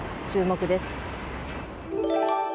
注目です。